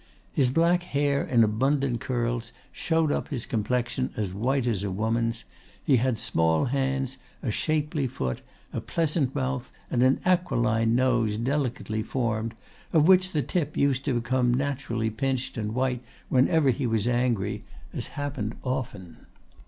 His black hair in abundant curls showed up his complexion, as white as a woman's; he had small hands, a shapely foot, a pleasant mouth, and an aquiline nose delicately formed, of which the tip used to become naturally pinched and white whenever he was angry, as happened often.